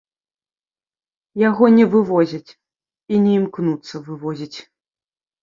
Яго не вывозяць, і не імкнуцца вывозіць.